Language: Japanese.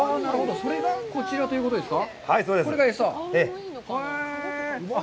それがこちらということですか？